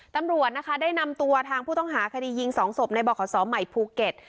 ตำรวจนะคะได้นำตัวทางผู้ต้องหาคดียิง๒ศพในบขศใหม่ภูเก็ต